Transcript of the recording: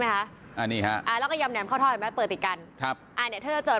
เลิกเลิกเลิกเลิกเลิกเลิกเลิกเลิกเลิกเลิกเลิก